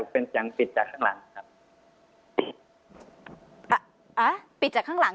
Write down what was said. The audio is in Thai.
เป็นเสียงปิดจากข้างหลังครับอ่าปิดจากข้างหลัง